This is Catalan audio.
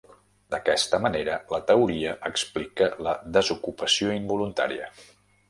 D'aquesta manera, la teoria explica la desocupació involuntària.